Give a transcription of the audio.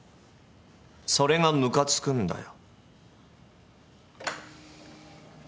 それがムカつくんだよ。